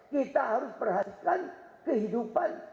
kita harus perhatikan kehidupan